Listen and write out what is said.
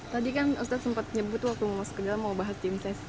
tadi kan ustadz sempat nyebut waktu mau masuk ke dalam mau bahas tim ses